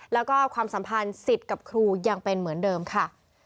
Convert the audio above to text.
แล้วก็ความสัมพันธ์สิทธิ์กับครูยังเป็นเหมือนเดิมค่ะ